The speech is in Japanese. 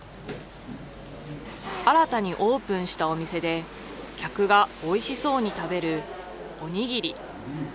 新たにオープンしたお店で、客がおいしそうに食べるおにぎり。